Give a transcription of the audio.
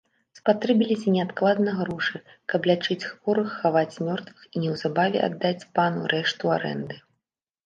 Спатрэбіліся неадкладна грошы, каб лячыць хворых, хаваць мёртвых і неўзабаве аддаць пану рэшту арэнды.